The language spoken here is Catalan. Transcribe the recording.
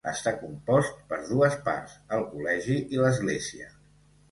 Està compost per dues parts: el col·legi i l'església.